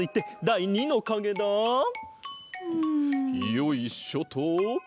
よいしょっと。